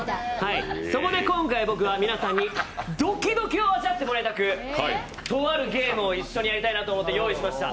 そこで今回、僕は皆さんにドキドキを味わってもらいたく、とあるゲームを一緒にやりたいなと思って用意しました。